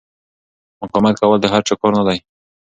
مقاومت کول د هر چا کار نه دی.